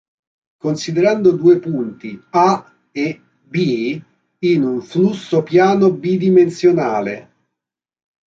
Considerando due punti A e B in un flusso piano bidimensionale.